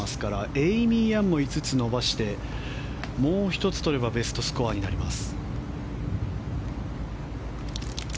エイミー・ヤンも５つ伸ばしてもう１つとればベストスコアになります。